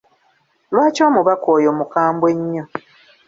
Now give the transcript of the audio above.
Lwaki omubaka oyo mukambwe nnyo?